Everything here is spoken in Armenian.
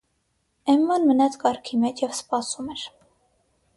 Էմման մնաց կառքի մեջ և սպասում էր: